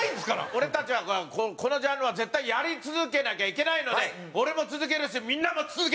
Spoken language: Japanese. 俺たちはこのジャンルは絶対やり続けなきゃいけないので俺も続けるしみんなも続けてほしい！